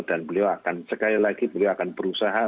dan beliau akan sekali lagi beliau akan berusaha